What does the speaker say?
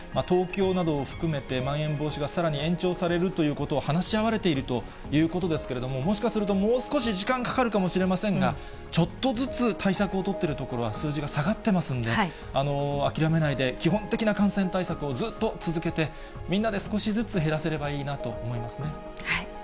東京などを含めて、まん延防止がさらに延長されるということを話し合われているということですけれども、もしかすると、もう少し時間かかるかもしれませんが、ちょっとずつ対策を取っているところは数字が下がってますので、諦めないで基本的な感染対策をずっと続けて、みんなで少しずつ減らせればいいなと思いますね。